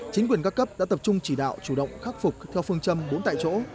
chính quyền các cấp đã tập trung chỉ đạo chủ động khắc phục theo phương châm bốn tại chỗ